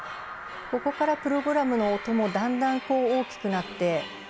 ここから、プログラムの音もだんだん大きくなって。